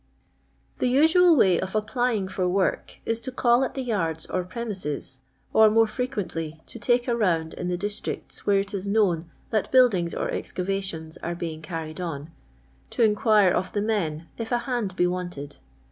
The vsual iray of apf, li/ing for troi'l is to call at the yards or premises, or, more frequently, to take a round in the districts where it is known that buildings or excavations are being carried on, to inquire of the men if a hand be wanted.